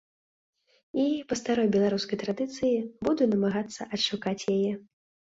І, па старой беларускай традыцыі, буду намагацца адшукаць яе.